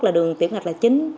là đường tiểu ngạch là chính